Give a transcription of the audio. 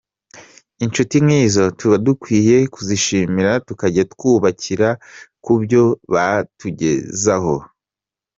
Inshuti nk’izo tuba dukwiye kuzishimira tukajya twubakira kubyo batugezaho.